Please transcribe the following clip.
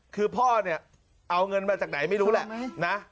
คือพ่อเนี่ยเอาเงินมาจากไหนไม่รู้แหละนะ